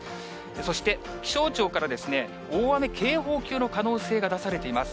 そして気象庁から大雨警報級の可能性が出されています。